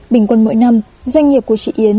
bình quân mỗi năm doanh nghiệp của chị yến